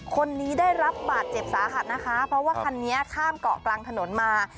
คนนี้ได้รับบาดเจ็บสาหัสนะคะเพราะว่าคันนี้ข้ามเกาะกลางถนนมา